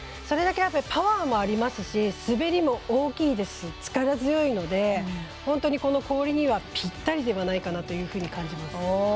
それだけパワーもありますし滑りも大きいですし力強いので本当に、この氷にはぴったりではないかと感じます。